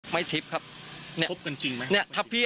ไม่ทิศครับ